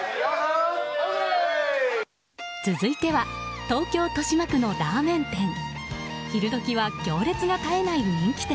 続いては東京・豊島区のラーメン店。